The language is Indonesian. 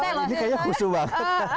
ini kayaknya khusus banget